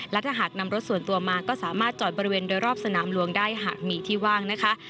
และถ้าหากนำรถส่วนตัวมาก็สามารถจอดบริเวณโดยรอบสนามหลวงได้หากมีที่ว่างนะคะ